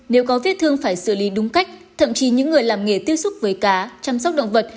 nếu có vết thương phải xử lý đúng cách thậm chí những người làm nghề tiếp xúc với cá chăm sóc động vật